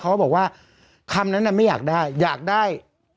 เขาบอกว่าคำนั้นไม่อยากได้อยากได้